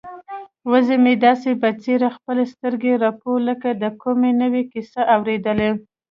وزه مې داسې په ځیر خپلې سترګې رپوي لکه د کومې نوې کیسې اوریدل.